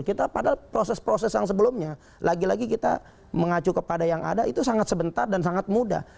kita padahal proses proses yang sebelumnya lagi lagi kita mengacu kepada yang ada itu sangat sebentar dan sangat mudah